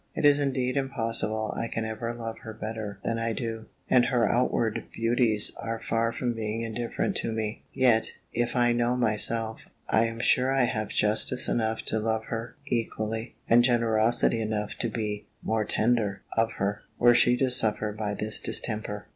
It is indeed impossible I can ever love her better than I do; and her outward beauties are far from being indifferent to me; yet, if I know myself, I am sure I have justice enough to love her equally, and generosity enough to be more tender of her, were she to suffer by this distemper.